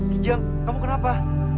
gijang kamu kenapa